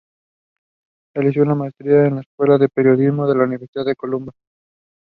The winning team was Norway.